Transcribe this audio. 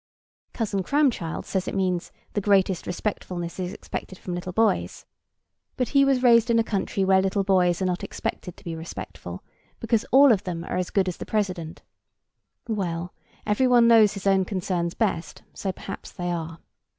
—Cousin Cramchild says it means, "The greatest respectfulness is expected from little boys." But he was raised in a country where little boys are not expected to be respectful, because all of them are as good as the President:—Well, every one knows his own concerns best; so perhaps they are.